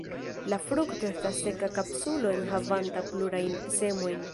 La frukto estas seka kapsulo enhavanta plurajn semojn.